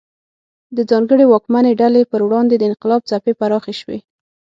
د ځانګړې واکمنې ډلې پر وړاندې د انقلاب څپې پراخې شوې.